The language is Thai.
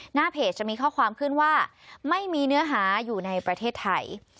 หน้าเพจจะมีข้อความขึ้นว่าไม่มีเนื้อหาอยู่ในประเทศไทย